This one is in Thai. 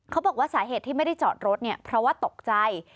เขาบอกว่าสาเหตุที่ไม่ได้จอดรถเนี่ยเพราะว่าตกใจ